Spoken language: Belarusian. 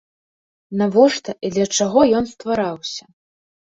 Навошта і для чаго ён ствараўся?